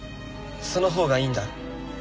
そのほうがいいんだ。